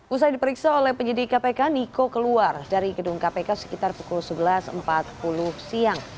usai diperiksa oleh penyidik kpk niko keluar dari gedung kpk sekitar pukul sebelas empat puluh siang